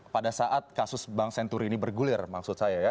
pada saat kasus bank senturi ini bergulir maksud saya ya